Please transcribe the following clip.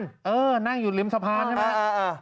นั่งอยู่ริมสะพานใช่ไหม